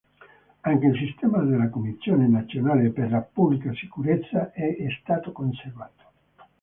Anche il sistema della Commissione nazionale per la pubblica sicurezza è stato conservato.